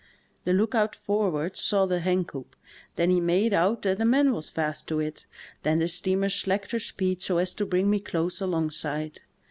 The lookout forward saw the hencoop, then he made out that a man was fast to it ; then the steamer slacked her speed so as to bring me close alongside.